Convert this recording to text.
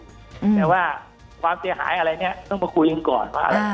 แต่ว่าความเสียหายอะไรเนี่ยต้องมาคุยกันก่อนว่าอะไร